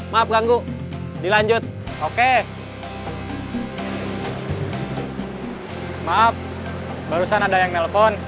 maaf ganggu dilanjut oke maaf barusan ada yang nelpon